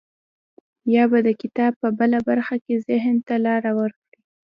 يا به د کتاب په بله برخه کې ذهن ته لاره وکړي.